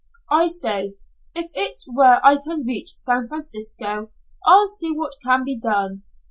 "I say if it's where I can reach San Francisco, I'll see what can be done."